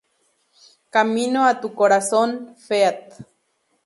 Camino a tu Corazón Feat.